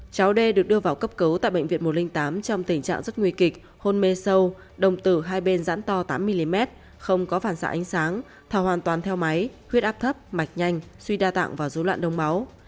cháu d được đưa vào cấp cứu tại bệnh viện một trăm linh tám trong tình trạng rất nguy kịch hôn mê sâu đồng tử hai bên dãn to tám mm không có phản xạ ánh sáng thảo hoàn toàn theo máy huyết áp thấp mạch nhanh suy đa tạng và dối loạn đông máu